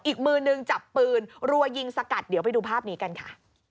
อีกมือนึงจับปืนรัวยิงสกัดเดี๋ยวไปดูภาพนี้กันค่ะ